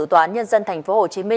tòa án nhân dân tp hcm